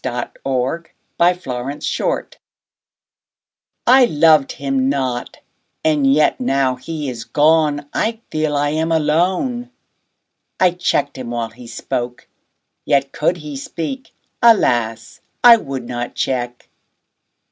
The Maid's Lament I LOVED him not; and yet now he is gone, I feel I am alone. I check'd him while he spoke; yet, could he speak, Alas! I would not check.